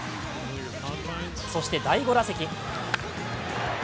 そして第５打席。